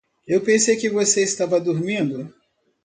Eu pensei que você estava dormindo.